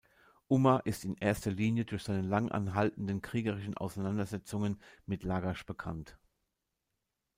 Umma ist in erster Linie durch seine lang anhaltenden kriegerischen Auseinandersetzungen mit Lagasch bekannt.